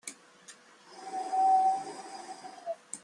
So far so good.